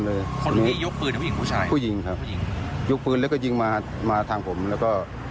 คนนี้ยกปืนผู้หญิงผู้ชายผู้หญิงครับผู้หญิงยกปืนแล้วก็ยิงมามาทางผมแล้วก็